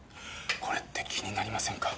これって気になりませんか？